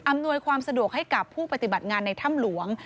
ความสะดวกให้กับผู้ปฏิบัติงานในถ้ำหลวง